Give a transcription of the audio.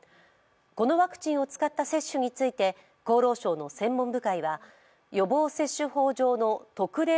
このワクチンを使った接種について厚生労働省の専門部会は予防接種法上の特例